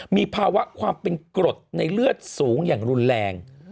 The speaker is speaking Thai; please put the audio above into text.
มีภาวะความเป็นกรดในเลือดสูงอย่างรุนแรง